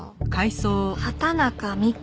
畑中美玖。